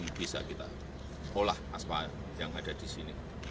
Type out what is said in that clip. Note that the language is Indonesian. ini bisa kita olah aspal yang ada di sini